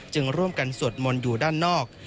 ร่วมกันสวดมนต์อยู่ด้านนอก